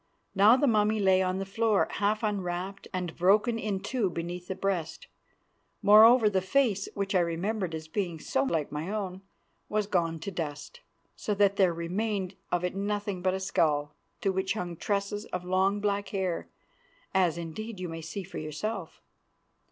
Now the mummy lay on the floor, half unwrapped and broken in two beneath the breast. Moreover, the face, which I remembered as being so like my own, was gone to dust, so that there remained of it nothing but a skull, to which hung tresses of long black hair, as, indeed, you may see for yourself.